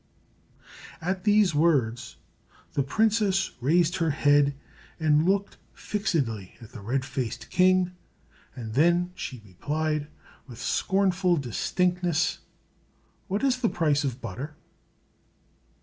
At these words the princess raised her head and looked fixedly at the red faced king; then she replied, with scornful distinctness, "What is the price of butter?"